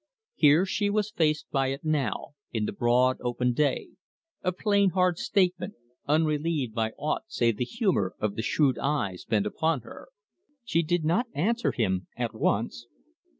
Here she was faced by it now in the broad open day: a plain, hard statement, unrelieved by aught save the humour of the shrewd eyes bent upon her. She did not answer him at once.